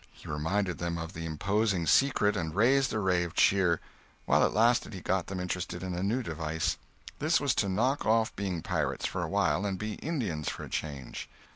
He reminded them of the imposing secret, and raised a ray of cheer. While it lasted, he got them interested in a new device. This was to knock off being pirates, for a while, and be Indians for a change.